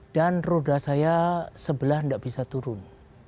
dan roda saya sebelah tidak bisa turun